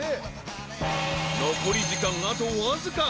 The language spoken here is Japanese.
［残り時間あとわずか。